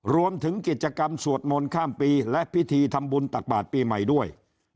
รวมถึงกิจกรรมสวดมนต์ข้ามปีและพิธีทำบุญตักบาทปีใหม่ด้วย